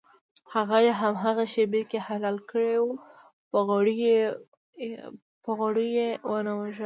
هغه یې هماغې شېبه کې حلال کړی و په غوړیو یې ونه ژړل.